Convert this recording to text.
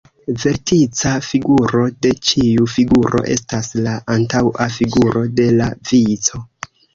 Vertica figuro de ĉiu figuro estas la antaŭa figuro de la vico.